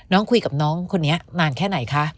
น้องคุยกับน้องคนนี้นานแค่ไหนคะ